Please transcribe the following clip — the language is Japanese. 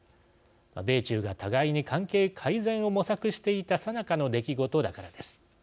米中が互いに関係改善を模索していた最中の出来事だからです。